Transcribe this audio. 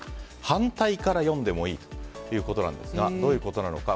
反対から読んでもいいということなんですがどういうことなのか。